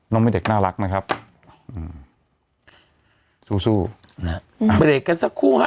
น้องมันเด็กน่ารักนะครับอืมสู้สู้อืมไปเด็กกันสักครู่อ่ะ